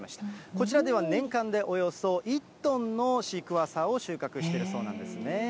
こちらでは年間でおよそ１トンのシークワーサーを収穫してるそうなんですね。